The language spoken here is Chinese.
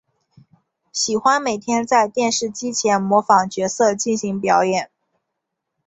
喜欢每天在电视机前模仿角色进行表演。